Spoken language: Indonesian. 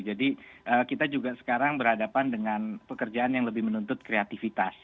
jadi kita juga sekarang berhadapan dengan pekerjaan yang lebih menuntut kreativitas